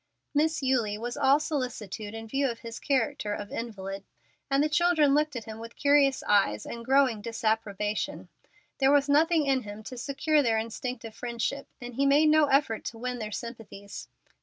Miss Eulie was all solicitude in view of his character of invalid; and the children looked at him with curious eyes and growing disapprobation. There was nothing in him to secure their instinctive friendship, and he made no effort to win their sympathies.